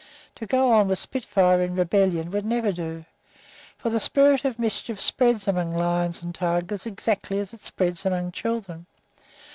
To go on with Spitfire in rebellion would never do, for the spirit of mischief spreads among lions and tigers exactly as it spreads among children.